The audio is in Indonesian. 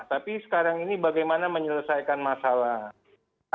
tapi sekarang ini bagaimana menyelesaikan masalah